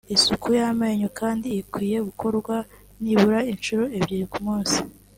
Isuku y’amenyo kandi ikwiye gukorwa nibura inshuro ebyiri ku munsi